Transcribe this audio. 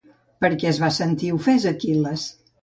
Per què es va sentir ofès Aquil·les?